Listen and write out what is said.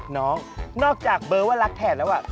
น้องนอกจากเบอร์ว่ารักแทนแล้ว